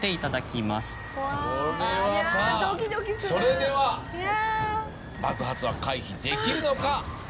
それでは爆発は回避できるのか？